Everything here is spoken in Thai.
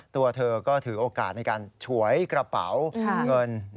ตัวเธอก็ถือโอกาสในการฉวยกระเป๋าเงิน